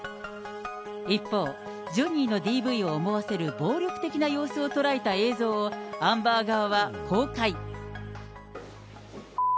一方、ジョニーのＤＶを思わせる暴力的な様子を捉えた映像をアンバー側×××。